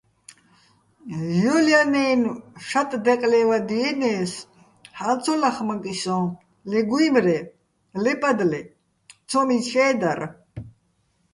ჲოლ ჲანაჲნო̆ შატ დაკლე́ვადიენე́ს, ჰ̦ალო̆ ცო ლახმაკი სოჼ, ლე გუჲმრე, ლე პადლე - ცომიჩე́ დარ.